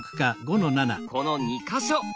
この２か所。